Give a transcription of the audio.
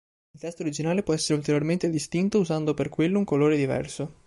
Il testo originale può essere ulteriormente distinto usando per quello un colore diverso.